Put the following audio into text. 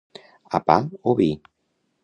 A pa o vi.